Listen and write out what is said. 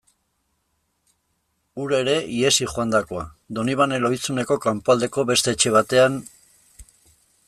Hura ere ihesi joandakoa, Donibane Lohizune kanpoaldeko beste etxe batean...